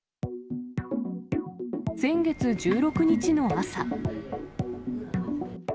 先月１６日の朝。